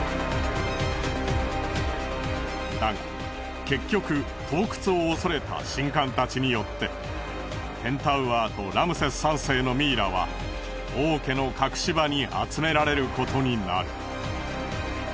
だが結局盗掘を恐れた神官たちによってペンタウアーとラムセス３世のミイラは王家の隠し場に集められることになる。